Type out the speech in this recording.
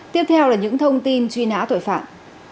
tiếp theo là những thông tin truy nã tội phạm